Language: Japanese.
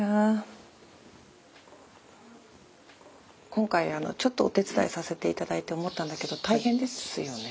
今回ちょっとお手伝いさせていただいて思ったんだけど大変ですよね。